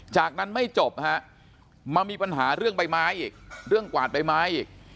จากนั้นไม่จบฮะมามีปัญหาเรื่องใบไม้อีกเรื่องกวาดใบไม้อีก